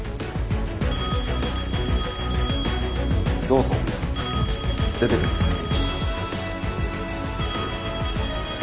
☎どうぞ出てください。